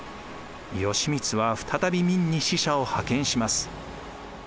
義満は再び明に使者を派遣します。